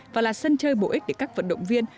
và là sân chơi bổ ích để các vận động viên